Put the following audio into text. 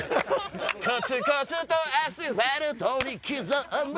コツコツとアスファルトに刻む